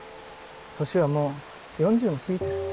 年はもう４０も過ぎてる。